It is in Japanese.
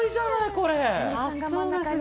これ！